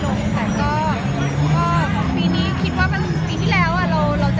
แล้วก็ปีนี้แรกคิดว่าปีเสร็จ